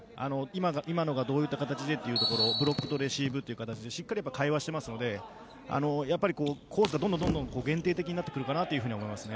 今のがどういった形でというところブロックとレシーブという形でしっかり会話をしているのでコースがどんどん限定的になってくるかなと思いますね。